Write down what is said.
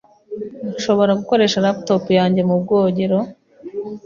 Nshobora gukoresha laptop yanjye mu bwogero?